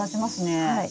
はい。